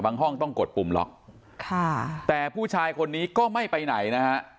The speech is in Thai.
ห้องต้องกดปุ่มล็อกค่ะแต่ผู้ชายคนนี้ก็ไม่ไปไหนนะฮะ